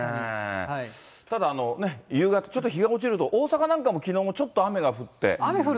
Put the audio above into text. ただね、夕方ちょっと日が落ちると、大阪なんかもきのう、ちょっと雨が降って。